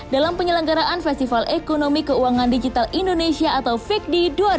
dalam penyelenggaraan festival ekonomi keuangan digital indonesia atau fikd dua ribu dua puluh